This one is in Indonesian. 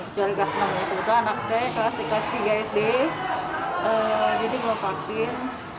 kecuali kasenangnya kebetulan anak saya kelas tiga sd jadi belum vaksin